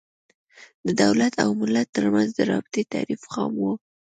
د دولت او ملت تر منځ د رابطې تعریف خام و.